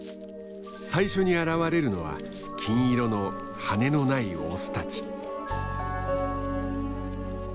最初に現れるのは金色の羽のないオスたち。